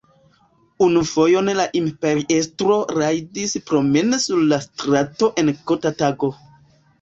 Unu fojon la imperiestro rajdis promene sur la strato en kota tago.